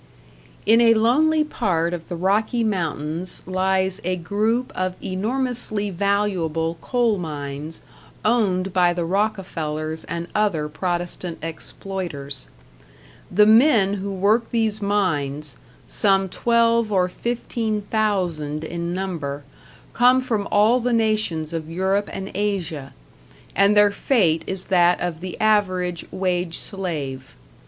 In a lonely part of the Rocky Mountains lies a group of enormously valuable coal mines owned by the Rockefellers and other Protestant exploiters. The men who work these mines, some twelve or fifteen thousand in number, come from all the nations of Europe and Asia, and their fate is that of the average wage slave.